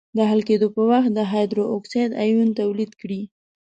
د حل کېدو په وخت د هایدروکساید آیون تولید کړي.